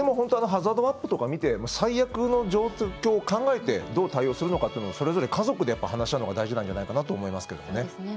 ハザードマップとか見て最悪の状況を考えてどう対応するのかというのをそれぞれ家族で話し合うのが大事なんじゃないかなと思いますけどね。